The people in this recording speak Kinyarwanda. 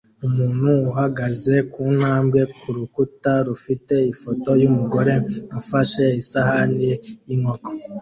Umuntu uhagaze kuntambwe kurukuta rufite ifoto yumugore ufashe isahani yinkoko